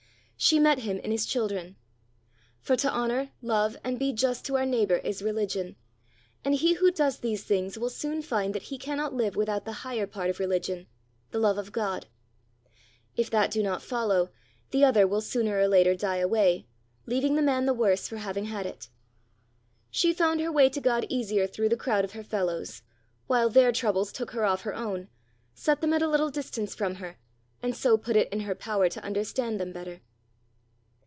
She met him in his children. For to honour, love, and be just to our neighbour, is religion; and he who does these things will soon find that he cannot live without the higher part of religion, the love of God. If that do not follow, the other will sooner or later die away, leaving the man the worse for having had it. She found her way to God easier through the crowd of her fellows; while their troubles took her off her own, set them at a little distance from her, and so put it in her power to understand them better.